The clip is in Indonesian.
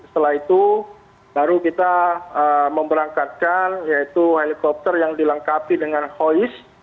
setelah itu baru kita memberangkatkan yaitu helikopter yang dilengkapi dengan hois